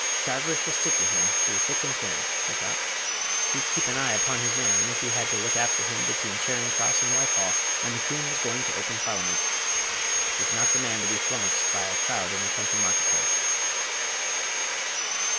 "Chivers will stick to him through thick and thin," he thought; "he'd keep an eye upon his man if he had to look after him between Charing Cross and Whitehall when the Page 189 queen was going to open Parliament. He's not the man to be flummaxed by a crowd in a country market place."